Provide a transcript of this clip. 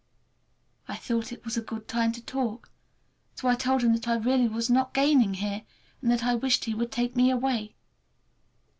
I thought it was a good time to talk, so I told him that I really was not gaining here, and that I wished he would take me away.